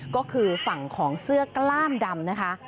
ก็คือฝั่งของเสื้อกล้ามดำนะคะ